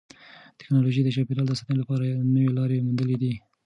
تکنالوژي د چاپیریال د ساتنې لپاره نوې لارې موندلې دي.